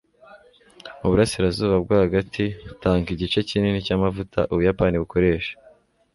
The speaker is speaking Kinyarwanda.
uburasirazuba bwo hagati butanga igice kinini cyamavuta ubuyapani bukoresha